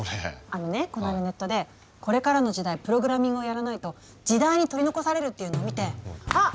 あのねこないだネットでこれからの時代プログラミングをやらないと時代に取り残されるっていうのを見てあっ！